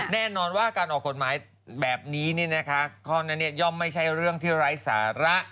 แน่นอนว่าการออกกฎหมายแบบนี้นะคะข้อนั้นย่อมไม่ใช่เรื่องที่ไร้สาระ